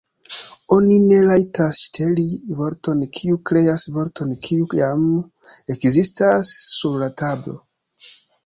Oni ne rajtas ŝteli vorton kiu kreas vorton kiu jam ekzistas sur la tablo.